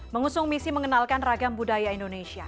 mengusung misi mengenalkan ragam budaya indonesia